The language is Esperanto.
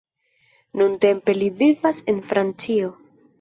Nuntempe li vivas en Francio.